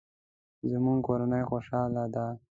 زموږ کورنۍ خوشحاله ده